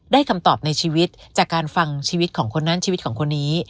คำตอบในชีวิตจากการฟังชีวิตของคนนั้นชีวิตของคนนี้